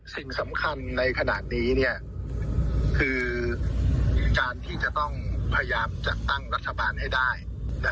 ต้องลงคะแดนตามเสียงข้างมากของสภาพแทน